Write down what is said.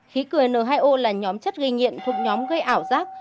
khí cười n hai o là nhóm chất gây nhiện thuộc nhóm gây ảo giác